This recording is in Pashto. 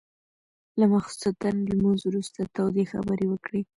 له ماخستن لمونځ وروسته تودې خبرې وکړې.